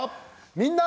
「みんな！